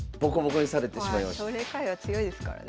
奨励会は強いですからね。